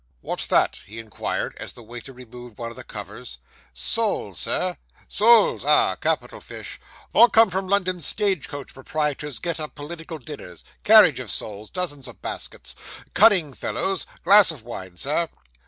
'What's that?' he inquired, as the waiter removed one of the covers. 'Soles, Sir.' 'Soles ah! capital fish all come from London stage coach proprietors get up political dinners carriage of soles dozens of baskets cunning fellows. Glass of wine, Sir.